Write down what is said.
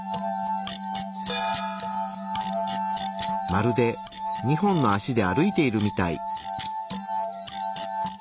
まるで２本の足で歩いているみたい。